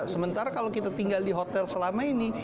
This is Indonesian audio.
sementara kalau kita tinggal di hotel selama ini